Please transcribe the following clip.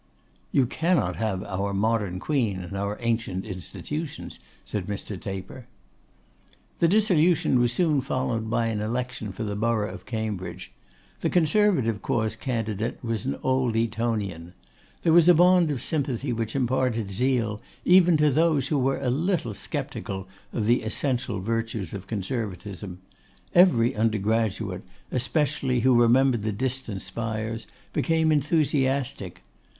'You cannot have "Our modern Queen and our ancient Institutions,"' said Mr. Taper. The dissolution was soon followed by an election for the borough of Cambridge. The Conservative Cause candidate was an old Etonian. That was a bond of sympathy which imparted zeal even to those who were a little sceptical of the essential virtues of Conservatism. Every undergraduate especially who remembered 'the distant spires,' became enthusiastic.